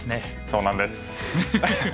そうなんです！